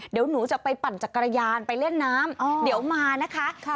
เดี๋ยวหนูจะไปปั่นจักรยานไปเล่นน้ำเดี๋ยวมานะคะ